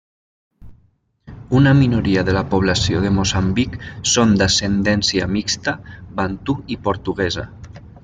Una minoria de la població de Moçambic són d'ascendència mixta bantu i portuguesa.